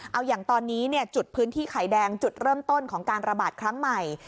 เอาอย่างตอนนี้จุดพื้นที่ไข่แดงจุดเริ่มต้นของการระบาดครั้งใหม่